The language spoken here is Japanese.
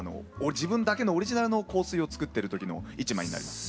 自分だけのオリジナルの香水を作ってる時の一枚になります。